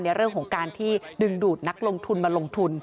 ในเรื่องของการที่ดึงดูดนักลงทุนมาลงทุน